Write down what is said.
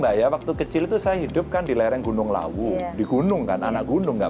erewaktu kecil itu saya hidupkan di lereng gunung lawu di gunung kan anak gunung nggak